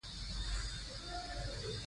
مورغاب سیند د افغانستان د بڼوالۍ برخه ده.